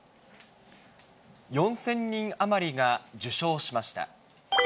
４０００人余りが受章しまし